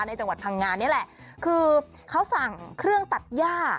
จังหวัดพังงานนี่แหละคือเขาสั่งเครื่องตัดย่า